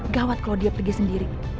gawat kalau dia pergi sendiri